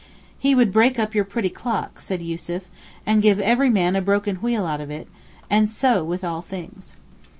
'He would break up your pretty clock,' said Yussuf, 'and give every man a broken wheel out of it, and so with all things.